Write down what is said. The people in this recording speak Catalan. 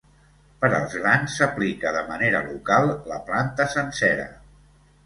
Per als grans s'aplica de manera local la planta sencera.